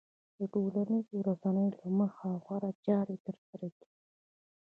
د ټولنيزو رسنيو له مخې غوره چارې ترسره کېږي.